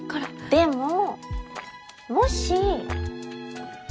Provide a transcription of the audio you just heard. でももし。